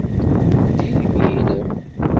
Ldi imi-nnem.